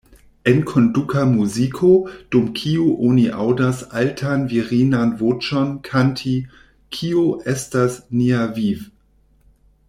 Enkonduka muziko, dum kiu oni aŭdas altan virinan voĉon kanti ""Kio estas nia viv'?